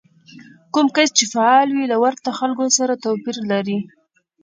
کوم کس چې فعال وي له ورته خلکو سره توپير لري.